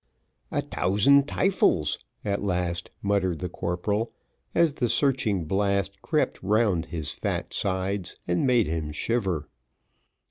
"A tousand tyfels!" at last muttered the corporal, as the searching blast crept round his fat sides, and made him shiver.